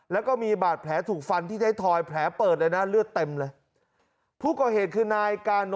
แล้วก็มีบาดแผลถูกฟันที่ได้ถอยแผลเปิดเลยนะเลือดเต็มเลย